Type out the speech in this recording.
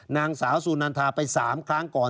นางสาวสุนันทาไป๓ครั้งก่อน